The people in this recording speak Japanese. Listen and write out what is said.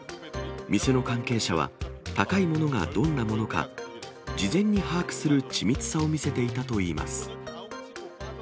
店の関係者は、高いものがどんなものか、事前に把握する緻密さを見せていたといいます。